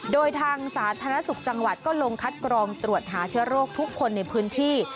โดยทางสาธารณสุขจังหวัดก็ลงคัดกรองตรวจหาเชื้อโรคทุกคนในพื้นที่